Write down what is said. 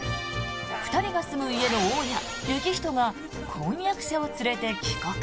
２人が住む家の大家、行人が婚約者を連れて帰国。